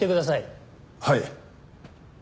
はい。